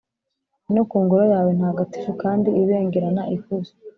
no ku ngoro yawe ntagatifu kandi ibengerana ikuzo.